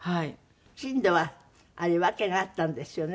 『珍島』はあれ訳があったんですよね。